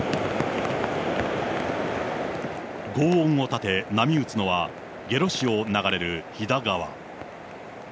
ごう音をたて、波打つのは下呂市を流れる飛騨川。